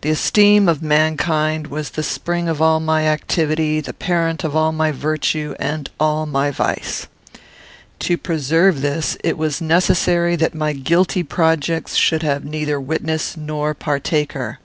The esteem of mankind was the spring of all my activity, the parent of all my virtue and all my vice. To preserve this, it was necessary that my guilty projects should have neither witness nor partaker.